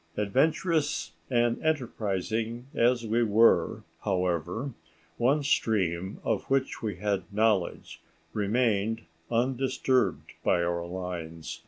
Adventurous and enterprising as we were, however, one stream of which we had knowledge remained undisturbed by our lines.